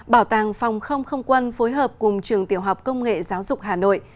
bảo tàng phòng không không quân phối hợp cùng trường tiểu học công nghệ giáo dục hà nội